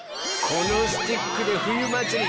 このスティックで「ふゆまつり」